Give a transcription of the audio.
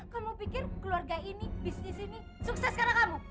kamu pikir keluarga ini bisnis ini sukses karena kamu